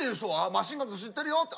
マシンガンズ知ってるよって。